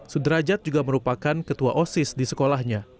sudrajat juga merupakan ketua osis di sekolahnya